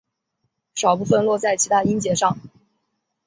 少部分落在其它音节上。